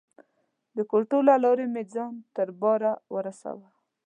د کوټو له لارې مې ځان تر باره ورساوه.